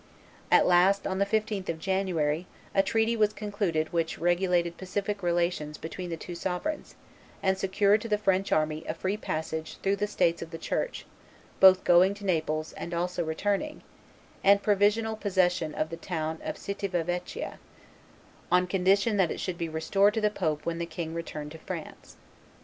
At last, on the 15th of January, a treaty was concluded which regulated pacific relations between the two sovereigns, and secured to the French army a free passage through the States of the Church, both going to Naples and also returning, and provisional possession of the town of Civita Vecchia, on condition that it should be restored to the pope when the king returned to France.